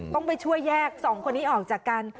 ต้องไปช่วยแยกสองคนนี้ออกจากกัน